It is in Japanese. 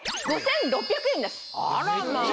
あらま！